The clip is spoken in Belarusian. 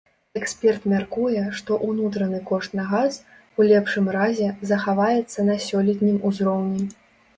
Эксперт мяркуе, што ўнутраны кошт на газ, у лепшым разе, захаваецца на сёлетнім узроўні.